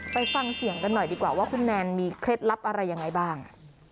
ไปฟังเสียงกันหน่อยดีกว่าว่าคุณแนนมีเคล็ดลับอะไรยังไงบ้าง